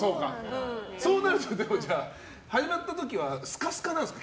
そうなるとじゃあ、始まった時はスカスカなんですか？